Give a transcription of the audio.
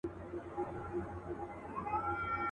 هغه سر مي تور لحد ته برابر کړ.